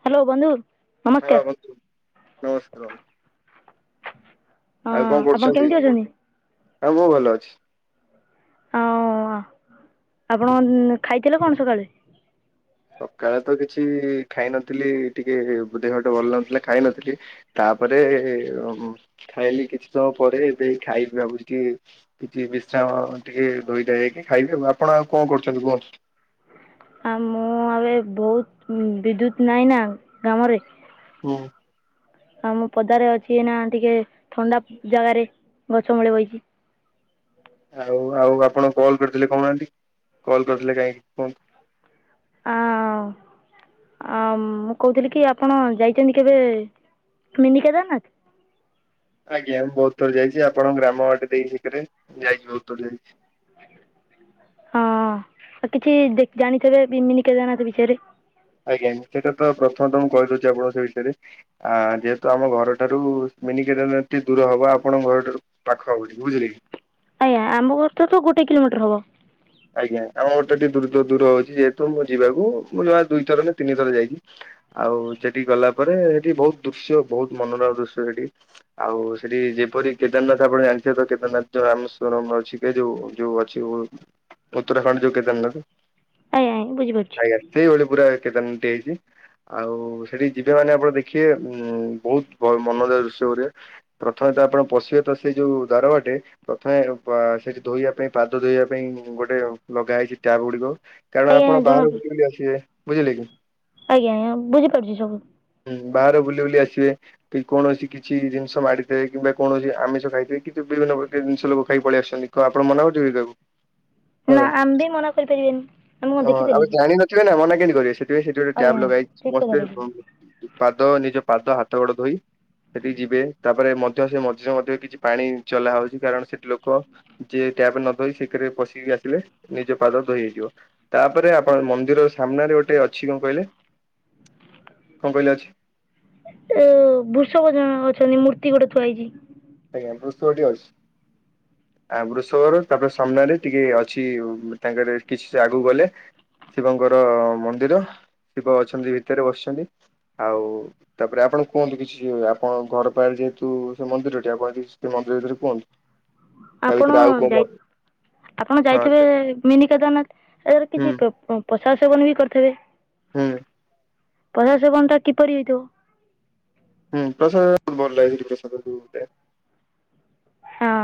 Hello ବନ୍ଧୁ। ହଁ ନମସ୍କାର ବନ୍ଧୁ ନମସ୍କାର ବନ୍ଧୁ। ହଁ ଆଉ କଣ ଆପଣ କରୁଛନ୍ତି କେମିତି ଅଛନ୍ତି ଆଉ ମୁଁ ଭଲ ଅଛି। ଆଉ ଆପଣ ଖାଇଥିଲେ କଣ ସକାଳେ? ସକାଳେ ତ କିଛି ଖାଇନଥିଲି ଟିକେ ଦେହଟା ଭଲ ନଥିଲା ଖାଇ ନଥିଲି। ତାପରେ ଖାଇଲି କିଛି ସମୟ ପରେ ଏବେ ଏଇ ଖାଇବି ଭାବୁଛି ଟିକେ କିଛି ବିଶ୍ରାମ ଟିକେ ଧୋଇଧୂଆ ହେଇକି ଖାଇବି ଆଉ। ଆପଣ ଆଉ କଣ କରୁଛନ୍ତି କୁହନ୍ତୁ? ଆଉ ମୁଁ ଏବେ ବହୁତ ବିଦ୍ୟୁତ୍ ନାହିଁ ନା ଗ୍ରାମରେ। ହୁଁ ଆଉ ମୁଁ ପଦାରେ ଅଛି ଏଇନା ଟିକେ ଥଣ୍ଡା ଜାଗାରେ ଗଛ ମୂଳେ ବଇଛି। ଆଉ ଆଉ ଆପଣ କଲ୍ କରିଥିଲେ କହୁନାହାନ୍ତି କଲ୍ କରିଥିଲେ କାହିଁକି କୁହନ୍ତୁ? ହ ଆ ମୁଁ କହୁଥିଲି କି ଆପଣ ଯାଇଛନ୍ତି କେବେ ମିନି କେଦାରନାଥ? ଆଜ୍ଞା ମୁଁ ବହୁତ ଥର ଯାଇଛି ଆପଣ ଗ୍ରାମ ବାଟେ ଦେଇ ଭିତରେ ଯାଇଛି ବହୁତ ଥର ଯାଇଛି। ହଁ ଆ କିଛି ଜାଣିଥିବେ ମିନି କେଦାରନାଥ ବିଷୟରେ? ଆଜ୍ଞା ଆଜ୍ଞା ସେଇଟା ତ ପ୍ରଥମତଃ ମୁଁ କହିଦଉଛି ଆପଣଙ୍କୁ ସେ ବିଷୟରେ। ଆ ଯେହେତୁ ଆମ ଘରଠାରୁ ମିନି କେଦାରନାଥ ଟିକେ ଦୂର ହବ ଆପଣଙ୍କ ଘରଠାରୁ। ପାଖ ଆଉଠି ବୁଝିଲେ କି। ଆଜ୍ଞା ଆମ ଘରଠାରୁ ତ ଗୋଟେ କିଲୋମିଟର ହବ। ଆଜ୍ଞା ଆମ ଘରଟା ଟିକେ ଦୂ ଦୂର ହେଉଛି ଯେହେତୁ ମୁଁ ଯିବାକୁ ମୁଁ ଯାହା ଦୁଇ ଥର ନା ତିନି ଥର ଯାଇଛି। ଆଉ ଚେଠିକି ଗଲା ପରେ ହେଟି ବହୁତ ଦୃଶ୍ୟ ବହୁତ ମନରୋମା ଦୃଶ୍ୟ ସେଠି। ଆଉ ସେଠି ଯେପରି କେଦାରନାଥ ଆପଣ ଜାଣିଥିବେ ତ କେଦାରନାଥ ଯୋଉ ରାମସ୍ଵରମ ଅଛି। ଏଯୋଉ ଯୋଉ ଅଛି ଉତ୍ତରାଖଣ୍ଡ ଯୋଉ କେଦାରନାଥ। କାଇଁ ବୁଝିପାରୁଛି। ଆଜ୍ଞା ସେଇଭଳି ପୁରା କେଦେରନାଥଟି ହେଇଛି। ଆଉ ସେଠିକି ଯିବେ ମାନେ ଆପଣ ଦେଖିବେ ଉଁ ବହୁତ ମନୋଜା ଦୃଶ୍ୟ ପରିକା। ପ୍ରଥମେ ତ ଆପଣ ପଶିବେ ତ ସେଇ ଯୋଉ ଦ୍ବାରବାଟେ ପ୍ରଥମେ ସେଠି ଧୋଇବା ପାଇଁ ପାଦ ଧୋଇବା ପାଇଁ ଗୋଟେ ଲଗା ହେଇଛି ଟ୍ୟାପ ଗୁଡିକ କାରଣ ଆଜ୍ଞା ଆପଣ ଜଣା ବାହାରକୁ କେମିତି ଆସିବେ ବୁଝିଲେ କି। ଆଜ୍ଞା ଆଜ୍ଞା ବୁଝି ପାରୁଛି ସବୁ। ହୁଁ ବାହାରୁ ବୁଲି ବୁଲି ଆସିବେ। କି କୌଣସି କିଛି ଜିନିଷ ମାଡିଦେବେ କିମ୍ବା କୌଣସି ଆମିଷ ଖାଇଥିବେ କିନ୍ତୁ ବିଭିନ୍ନ ପ୍ରକାର ଜିନିଷ ଲୋକ ଖାଇକି ପଳେଇ ଆସୁଛନ୍ତି। ତ ଆପଣ ମନା କ ଟିବି ଟାକୁ। ନା ଆମେ ବି ମନା କରିପାରିବେନି ଆମେ ମୁଁ ଦେଖିଥିଲେ କି? ସେ ନା ମନା କେମତି କରିବେ ସେଥିପାଇଁ ସେଠି ଗୋଟେ ଆଜ୍ଞା ଟାପ୍ ଲଗାଇଛି ଠିକ୍ କଥା ସମସ୍ତେ କହିଛନ୍ତି। [unintelligible] ପାଦ ନିଜ ପାଦ ହାତ ଗୋଡ ଧୋଇ। ସେଠିକି ଯିବେ ତାପରେ ମଧ୍ୟ ସେ ମଝିରେ ମଧ୍ୟ କିଛି ପାଣି ଚଲା ହଉଛି କାରଣ ସେଠି ଲୋକ ଯେ ଟ୍ୟାପ ନ ଧୋଇ ସେଥିରେ ପଶିକି ଆସିଲେ ନିଜ ପାଦ ଧୋଇ ହେଇଯିବ। ତାପରେ ଆପଣ ମନ୍ଦିର ସାମ୍ନାରେ ଗୋଟେ ଅଛି କଣ କହିଲେ? କଣ କହିଲେ ଅ ଏ ବୃଷଭ ଜଣେ ଅଛନ୍ତି ମୂର୍ତ୍ତି ଗୋଟେ ଥୁଆ ହେଇଚି। ଆଜ୍ଞା ବୃଷଭ ଟି ଅଛି। ଆ ବୃଷଭ ର ତାପରେ ସାମ୍ନାରେ ଟିକେ ଅଛି ତାଙ୍କର କିଛି ଆଗକୁ ଗଲେ। ଶିବଙ୍କର ମନ୍ଦିର ଶିବ ଅଛନ୍ତି ଭିତରେ ବସିଛନ୍ତି। ଆଉ ତାପରେ ଆପଣ କୁହନ୍ତୁ କିଛି ଆପଣ ଘର ପାଖ ଯେହେତୁ ସେ ମନ୍ଦିର ତା [unintelligible] ଆପଣ ଭିତରେ ଆଉ କୋଉ ମ ଯାଇ ଆପଣ ହଁ ଯାଇଥିବେ ମିନି କେଦାରନାଥ ଏରା ହୁଁ କିଛି ପ ପ ପ୍ରସାଦ ସେବନ ବି କରିଥିବେ। ହୁଁ। କୈଳାଶ [unintelligible] କିପରି ହେଇଥିବ? ହୁଁ ପ୍ରସାଦ ଭଲ [unintelligible] ପ୍ରସାଦ ଯୁ ଗୋଟେ। ହଁ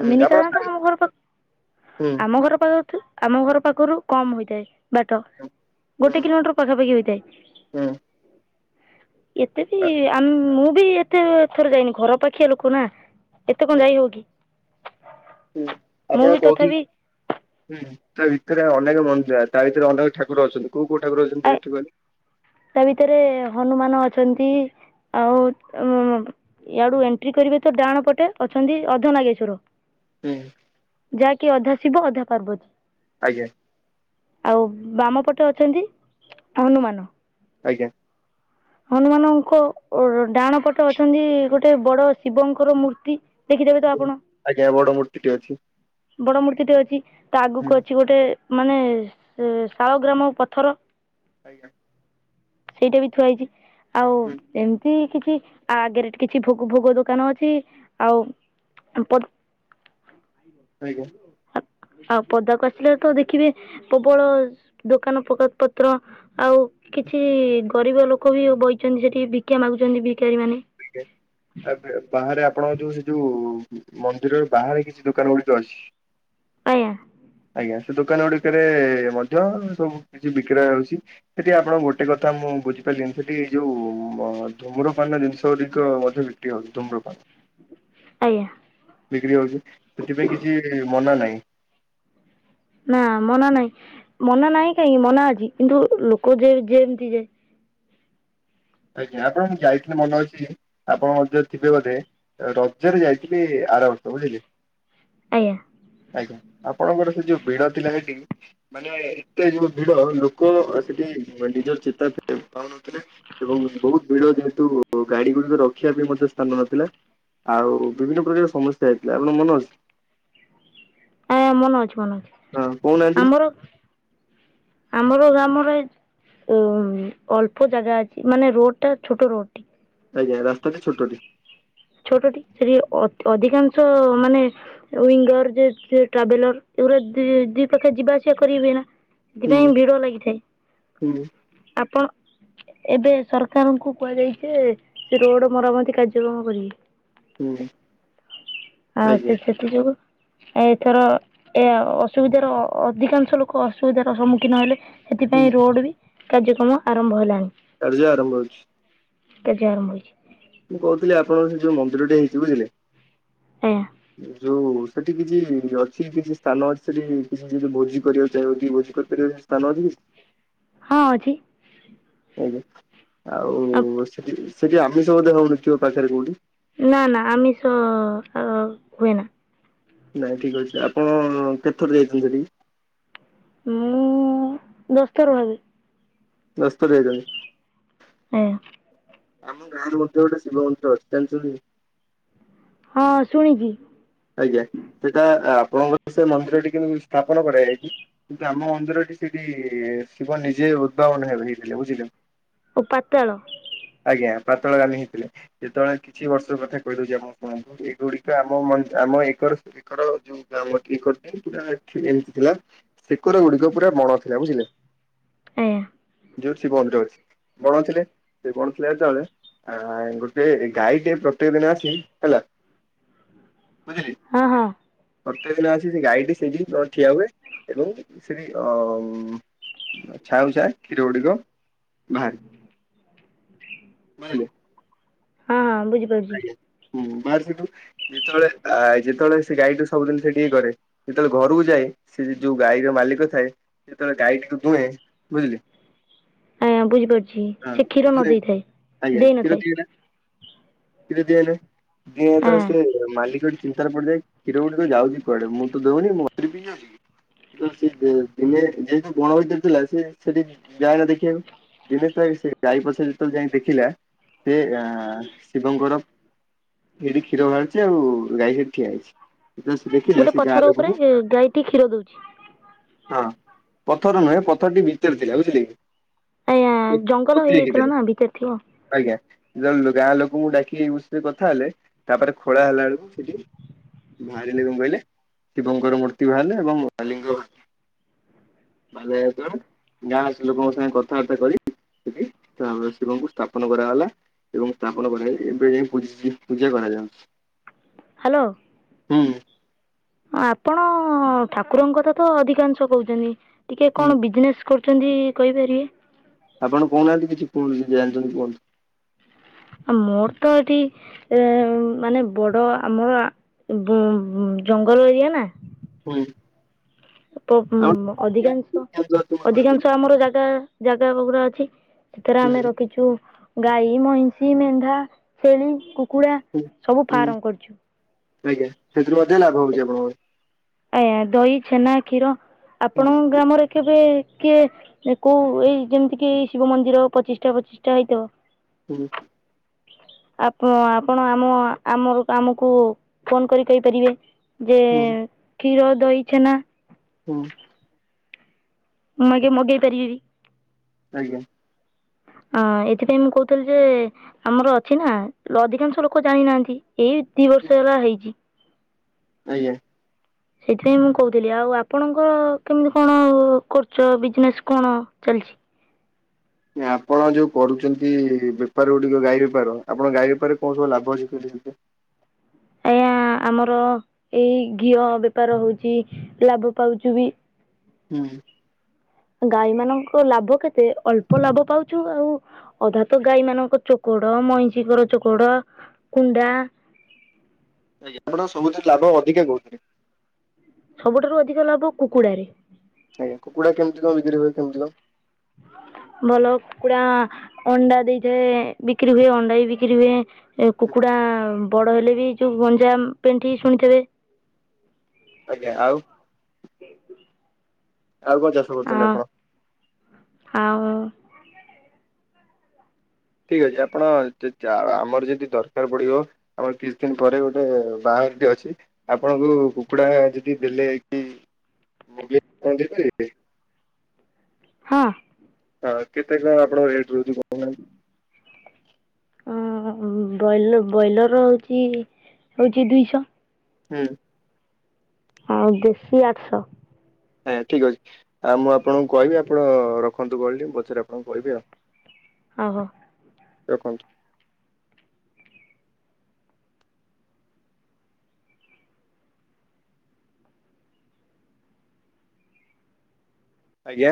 ହୁଁ ଆପଣ ମିନିକେନାଥ ଆମ ଘର ପା ହୁଁ ଆମ ଘର ପାଖ ଥି ଆମ ଘର ପାଖରୁ କମ ହୋଇଥାଏ। ବାଟ ଗୋଟେ ହୁଁ ହୁଁ କିଲୋମିଟର ପାଖାପାଖି ହୋଇଥାଏ। ଏତେ ବି ଆ ମୁଁ ବି ଏତେ ଥର ଯାଇନି ଘର ପାଖିଆ ଲୋକ ନା। ତ କ ହୁଁ ଯାଇ ହବ କି? ହୁଁ ମୁଁ ଆପଣ ବି ତଥାପି କହୁଥିଲେ ହୁଁ ତା ଭିତରେ ଅନେକ ମନ୍ଦି ତା ଭିତରେ ଅନେକ ଠାକୁର ଅଛନ୍ତି କୋଉ କୋଉ ଠାକୁର ଅଛନ୍ତି ତା ଭିତରେ କଇଲେ? ତା ଭିତରେ ହନୁମାନ ଅଛନ୍ତି ଆଉ ଉଁ ୟୀଆଡୁ ଏଣ୍ଟ୍ରି କରିବେ ତ ଡାହାଣ ପଟେ ଅଛନ୍ତି ଅର୍ଧ ନାଗେଶ୍ଵର। ହୁଁ ଯାହାକି ଅଧା ଶିବ ଅଧା ପାର୍ବତୀ। ଆଜ୍ଞା ଆଉ ବାମ ପଟେ ଅଛନ୍ତି ହନୁମାନ। ଆଜ୍ଞା। ହନୁମାନଙ୍କ ଅ ଡାହାଣ ପଟେ ଅଛନ୍ତି ଗୋଟେ ବଡ ଶିବଙ୍କର ମୂର୍ତ୍ତି। ଦେଖିଦେବେ ତ ଆପଣ। ଆଜ୍ଞା ବଡ ମୂର୍ତ୍ତି ଟେ ଅଛି। ବଡ ମୂର୍ତ୍ତି ଟେ ଅଛି ତା ହୁଁ ଆଗକୁ ଅଛି ଗୋଟେ ମାନେ ସେ ଶାଳ ଗ୍ରାମ ପଥର। ଆଜ୍ଞା। ସେଇଟା ବି ଥୁଆ ହେଇଛି ଆଉ ହୁଁ ଏମିତି କିଛି ଆ ଆଗରେ କିଛି ଭୋଗ ଭୋଗ ଦୋକାନ ଅଛି ଆଉ ପଟ ଆଜ୍ଞା। ଆ ଆଉ ପଦାକୁ ଆସିଲେ ତ ଦେଖିବେ ପ୍ରବଳ ଦୋକାନ ପତ୍ର। ଆଉ କିଛି ଗରିବ ଲୋକ ବି ବଇଛନ୍ତି ସେଠି ଭିକ୍ଷା ମାଗୁଛନ୍ତି ଭିକାରୀ ମାନେ। ଇଠେ। ଆ ବେ ବାହାରେ ଆପଣଙ୍କ ଯୋଉ ସେ ଯୋଉ ମନ୍ଦିରରେ ବାହାରେ କିଛି ଦୋକାନ ଗୁଡିକ ଅଛି। ଆୟା। ଆଜ୍ଞା ସେ ଦୋକାନ ଗୁଡିକରେ ମଧ୍ୟ ସବୁ କିଛି ବିକ୍ରୟ ହଉଛି। ସେଠି ଆପଣଙ୍କ ଗୋଟେ କଥା ମୁଁ ବୁଝିପାଲିନି ସେଠି ଏଇ ଯୋଉ ଉ ଧୁମ୍ରପାନ ଜିନିଷ ଦିକ ମଧ୍ୟ ବିକ୍ରି ହଉଛି ଧୁମ୍ରପାନ। ଆଜ୍ଞା। ବିକ୍ରି ହଉଛି ସେଥିପାଇଁ କିଛି ମନା ନାଇ। ନା ମନା ନାହିଁ ମନା ନାହିଁ କାହିଁକି ମନା ଅଛି କିନ୍ତୁ ଲୋକ ଯେ ଯେମତି ଯେ ଆଜ୍ଞା ଆପଣଁ ଯାଇଥିଲଥିଲେ ମନ ଅଛି ଆପଣ ଥିବେ ବୋଧେ ରଜରେ ଯାଇଥିଲି ଆର ବର୍ଷ ବୁଝିଲେ ଆଜ୍ଞା ଆଜ୍ଞା ଆପଣଙ୍କର ସେ ଯୋଉ ଭିଡ ଥିଲା ସେଠି ମାନେ ଏତେ ଯୋଉ ଭିଡ ଲୋକ ସେଠି ନିଜର ଚେତା ପାଉନଥିଲେ ଏବଂ ବହୁତ ଭିଡ ଯେହେତୁ ଗାଡି ଗୁଡିକ ରଖିବା ବି ମଧ୍ୟ ସ୍ଥାନ ନଥିଲା ଆଉ ବିଭିନ୍ନ ପ୍ରକାର ସମସ୍ୟା ହେଇଥିଲା ଆପଣ ମନୋଜ ଆଜ୍ଞା ମନେ ଅଛି ମନେ ହଁ ଅଛି କହୁନାହାନ୍ତି ଆମର ଆମର ଗ୍ରାମରେ ଉ ଅଳ୍ପ ଜାଗା ଅଛି ମାନେ ରୋଡ ଟା ଛୋଟ ରୋଡଟି ଆଜ୍ଞା ରାସ୍ତା ଛୋଟ ଟି ଛୋଟଟି ସେଠି ଅଧିକାଂଶ ମାନେ ୱିଙ୍ଗର ଯେ ଟ୍ରାଭେଲର ଏଗୁଡା ଦି ପାଖେ ଯିବା ଆସିବା କରିବେ ନା ସେଥିପାଇଁ ହୁଁ ଭିଡ ଲାଗିଥାଏ ହୁଁ ଆପଣ ଏବେ ସରକାରଙ୍କୁ କୁହାଯାଇଛି ସେ ରୋଡ ମରାମତି କାର୍ଯ୍ୟକ୍ରମ କରିବି ହୁଁ ଆଉ ଆଜ୍ଞା ସେ ସେଥି ଯୋଗୁଁ ଆ ଏଥର ଏ ଅସୁବିଧାର ଅଧିକାଂଶ ଲୋକ ଅସୁବିଧ ର ସମ୍ମୁଖୀନ ହେଲେ ହୁଁ। ସେଥିପାଇଁ ରୋଡ ବି କାର୍ଯ୍ୟକ୍ରମ ଆରମ୍ଭ ହେଲାଣି ଚାର୍ଯ୍ୟା ଆରମ୍ଭ ହଉଛି ଜରମଛି ମୁଁ କହୁଥିଲି ଆପଣଙ୍କ ସେ ଯୋଉ ମନ୍ଦିରଟେ ହେଇଛି ବୁଝିଲେ ଆଜ୍ଞା ଯୋଉ ସେଠି କିଛି ଅଛି କିଛି ସ୍ଥାନ ଅଛି ସେଠି କିଛିି ଭୋଜି କରିବାକୁ ଚାଁ କି ଭୋଜି କରିପାରିବା ତଲ ଜ ହଁ ଅଛି। ଆଜ୍ଞା ଆଉ ସେଠି ସେଠି ଆମିଷ ବୋଧେ ହଉନଥିବ ପାଖରେ କୋଉଠି। ନା ନା ଆମିଷ ହ ହୁଏନା। ନାଇଁ ଠିକ୍ ଅଛି ଆପଣ କେତେଥର ଯାଇଛନ୍ତି ସେଠିକି? ମୁଁ ଦଶଥର ଭାବେ। ଦଶଥର ଯାଇଚନ୍ତି। ହୁଁ। ଆମ ଗାଁରୁ ମଧ୍ୟ ଗୋଟେ ଶିବ ମନ୍ଦିର ଅଛି ଯାଣିଚନ୍ତି। ହଁ ଶୁଣିିଚି। ଆଜ୍ଞା ସେଟା ଆପଣଙ୍କର ସେ ମନ୍ଦିରଟି କେିତି ସ୍ଥାପନ କରାଯାଇଚି। କିନ୍ତୁ ଆମ ମନ୍ଦିରଟି ସେଇଠି ଶିବ ନିଜେ ଉଦ୍ଭାବନ ହେବେ ହେଇଥିଲେ ବୁଝିଲେ। ଓ ପଟାଳ। ଆଜ୍ଞା ପାତଳ ଗାଲି ହେଇଥିଲେ। ଯେତେବେଳେ କିଛି ବର୍ଷ କଥା କହିଦଉଚି ଆପଣ ଶୁଣନ୍ତୁ ଏଇଗୁଡିକ ଆମ ମା ଆମ ଏକର ଏକର ଯୋଉ ଗ୍ରାମକି କରିଚନ୍ତି ପୁରା ଏଖି ଏମିତି ଥିଲା। ସେକୁର ଗୁଡିକ ପୁରା ବଣ ଥିଲା ବୁଝିଲେ। ଆଜ୍ଞା। ଯଉଠି ଶିବ ମନ୍ଦିର ଅଛି ବଣଥିଲେ ସେ ବଣ ଥିଲା ଯେତେବେଳେ। ଆ ଗୋଟେ ଗାଈ ଟେ ପ୍ରତ୍ୟେକ ଦିନ ଆସି ହେଲା। ବୁଝିଲେ। ହଁ ହଁ ପ୍ରତେକ ଦିନ ଆସି ସେ ଗାଈଟି ସେଇଠି ପ୍ର ଠିଆ ହୁଏ ଏବଂ ସେଠି ଅ ଛାଉଁ ଛାଏ କ୍ଷୀର ଗୁଡିକ ବାହାରି। ବାଣିଲେ। ହଁ ହଁ ବୁଝିପାରୁଚି। ହୁଁ ବାହାରେ ସେଠୁ ଯେତବଳେ ଆ ଯେତବଳେ ସେ ଗାଈଠୁ ସବୁଦିନ ସେଠି ହି କରେ। ଯେତେବେଳେ ଘରକୁ ଯାଏ ସେ ଯୋଉ ଗାଈର ମାଲିକ ଥାଏ। ଯେତେବେଳେ ଗାଈଟିକୁ ଦୁହେଁ ବୁଝିଲେ। ଆଜ୍ଞା ବୁଝିପାରୁଛି ହଁ ସେ କ୍ଷୀର ନ ଦୂରେ ଦେଇଥାଏ ଆଜ୍ଞା କ୍ଷୀର ଦେଇନଥାଏ ଦିଏନା। କ୍ଷୀର ଦିଏନା ଦିଏ ଯେତବେଳେ ଆଁ ସେ ମାଲିକଟି ଚିନ୍ତାରେ ପଡିଯାଏ କ୍ଷୀର ଗୁଡିକ ଯାଉଚି କୁଆଡେ ମୁଁ ତ ଦୁହୁଁନି ମୋ ବାଛୁରୀ ପିଇ ଯାଉଚି କି? ତ ସିଏ ଦେ ଇଏ ଯେହେତୁ ବଣ ଭିତରେ ଥିଲା ସେ ସେଠି ଯାଏନା ଦେଖିବାକୁ। ଦିନସେ ଗାଈ ପଛରେ ଯେତେବେଳେ ଯାଇ ଦେଖିଲା ସେ ଆ ଶିବଙ୍କର ସେଇଠି କ୍ଷୀର ବାହାରୁଚି ଆଉ ଗାଈ ସେଠି ଠିଆ ହେଇଚି। ଗୋଟେ ପଥର ଉପରେ ହେ ଗାଈ ଟିକ କ୍ଷୀର ଦଉଚି। ହଁ ପଥର ନୁହେଁ ପଥରଟି ଭିତରେ ଥିଲା ବୁଝିଲେ କି। ଆଜ୍ଞା ଜଙ୍ଗଲ ପୋତି ହେଇଯାଇଥିଲା ଦେଇଥିଲେ ନା ଭିତେରେ ଥିବ। ଆଜ୍ଞା ଗାଁ ଲୋକଙ୍କୁ ଡାକି ଏ ବିଷୟରେ କଥା ହେଲେ ତାପରେ ଖୋଳା ହେଲା ବେଳକୁ ସେଠି ବାହାରିଲେ କଣ କହିଲେ ଶିବଙ୍କର ମୂର୍ତ୍ତି ବାହାରିଲେ ଏବଂ ଲଙ୍ଗ ବଲେ [unintelligible] ଗାଁ ସେ ଲୋକଙ୍କ ସାଙ୍ଗେ କଥାବାର୍ତ୍ତା କରି ସେଠି ତାପରେ ଶିବଙ୍କୁ ସ୍ଥାପନ କରାଗଲା। ଏବଂ ସ୍ଥାପନ କରାଯଏ ଏବେ ଯାଇ ପୂଜିଚି ପୂଜା କରାଯାଉଚି। ହ୍ୟାଲୋ। ହୁଁ। ଆପଣ ଠାକୁରଙ୍କ କଥା ତ ଅଧିକାଂଶ କହୁଚନ୍ତି ଟିକେ ହୁଁ କଣ ବିଜନେସ୍ କରୁଚନ୍ତି କହିପାରିବେ। ଆପଣ କହୁନାହାନ୍ତି କିଛି କୁଅ ନିଜେ ଜାଣିଚନ୍ତି କୁଅନ୍ତୁ। ଆ ମୋର୍ ତ ଏଠି ଏ ମାନେ ବଡ଼ ଆମର ଜଙ୍ଗଲ ଏରିଆ ନା। ହୁଁ। ହୁଁ ଅଧିକାଂଶ ଅଧିକାଂଶ ଆମର ଜାଗା ଜାଗା ଗୁଡା ଅଛି। ସେଥିରେ ଆମେ ରଖିଛୁ ଗାଈ, ମଇଁଷି, ମେଣ୍ଢା, ଛେଳି, କୁକୁଡ଼ା। ସବୁ ଫାର୍ମ କରିଛୁ। ଆଜ୍ଞା, ସେଥିରୁ ମଧ୍ୟ ଲାଭ ହଉଛି ଆପଣଙ୍କ। ଆଜ୍ଞା, ଦହି ଛେନା କ୍ଷୀର ହୁଁ ଆପଣଙ୍କ ଗ୍ରାମରେ କେବେ କିଏ କୋଉ ଏଇ ଯେମିତି କି ଶିବ ମନ୍ଦିର ପଚିଶ ଟା ପଚିଶ ଟା ହେଇଥିବ। ହୁଁ ଉଁ। ଆପ ଆପଣ ଆମ ଆମ ଆମକୁ ଫୋନ କରି କହିପାରିବେ? ଯେ ହୁଁ କ୍ଷୀର, ଦହି, ଛେନା। ହଁ ଅଁ। [unintelligible] ଆଜ୍ଞା। ଅଁ ଏଥିପାଇଁ ମୁଁ କହୁଥିଲି ଯେ ଆମର ଅଛି ନା ଅଧିକାଂଶ ଲୋକ ଜାଣିନାହାନ୍ତି। ଏଇ ଦି ବର୍ଷ ହେଲା ହେଇଛି। ଆଜ୍ଞା। ସେଇଥିପାଇଁ ମୁଁ କହୁଥିଲି, ଆଉ ଆପଣଙ୍କର କେମିତି କଣ କରଚ ବିଜନେସ୍ କଣ ଚାଲିଛି? ଆପଣ ଯୋଉ କରୁଛନ୍ତି ବେପାର ଗୁଡିକ ଗାଈ ବେପାର, ଆପଣ ଗାଈ ବେପାରରେ କଣ ସବୁ ଲାଭ ଅଛି? ଆଜ୍ଞା ଆମର ଏଇ ଘିଅ ବେପାର ହଉଛି ଲାଭ ପାଉଛୁ ବି। ହୁଁ ଉଁ। ଗାଈ ମାନଙ୍କ ଲାଭ କେତେ ଅଳ୍ପ ଲାଭ ପାଉଛୁ ଆଉ ଅଧା ତ ଗାଈ ମାନଙ୍କ ଚୋକଡ, ମଇଁଷିଙ୍କର ଚୋକଡ, କୁଣ୍ଡା [unintelligible] ସବୁଥି ଲାଭ ଅଧିକା କଉଥିରେ? ସବୁଠାରୁ ଅଧିକ ଲାଭ କୁକୁଡାରେ। ଆଜ୍ଞା, କୁକୁଡ଼ା କେମତି କ ବିକି ହ କେମତି କ? ଭଲ କୁକୁଡ଼ା ଅଣ୍ଡା ଦେଇଥାଏ ବିକ୍ରି ହୁଏ, ଅଣ୍ଡା ବି ବିକ୍ରି ହୁଏ। ଏ କୁକୁଡ଼ା ବଡ଼ ହେଲେ ବି ଯୋଉ ଗଞ୍ଜା ପେଣ୍ଠି ଶୁଣିଥିବେ। ଆଜ୍ଞା ଆଉ ଆଉ କଣ ଚା ହଁ ହଁ ଆଉ ଠିକ୍ ଅଛି, ଆପଣ ଆଉ ଆମର ଯଦି ଦରକାର୍ ପଡ଼ିବ? ଆମର କିଛି ଦିନ ପରେ ଗୋଟେ ବାହାଘରଟି ଅଛି। ଆପଣଙ୍କୁ କୁକୁଡ଼ା ଯଦି ଦେଲେ କି ମଗେ -ମଗେଇବେ। ହଁ ହଁ କେତେ କଣ ଆପଣ ରେଟ୍ ରୋହୁଛି କୋଣ -କୋଣମ୍। ହ ବଇଲ ବଇଲର୍ ହୋଉଚି ହୋଉଛି ଦୁଇଶ। ହୁଁ ଆଉ ଦେଶି ଆଠଶ। ହଁ, ଠିକ୍ ଅଛି। ଆଉ ମୁଁ ଆପଣଙ୍କୁ କହିବି ଆପଣ ରଖନ୍ତୁ ବଲ୍ ଟି ମୁଁ ପଛରେ ଆପଣଙ୍କୁ କହିବି ଆ ଓହୋ ଦେଖନ୍ତୁ ଆଜ୍ଞା।